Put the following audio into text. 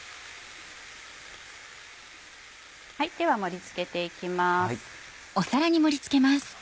では盛り付けて行きます。